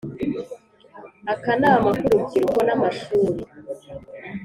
Akanama k urubyiruko n amashuri